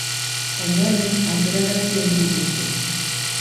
Ondoren, aterarazi egin dituzte.